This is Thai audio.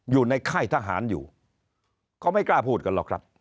อยู่ในค่ายทหารอยู่เขาไม่กล้าพูดกันหรอกครับ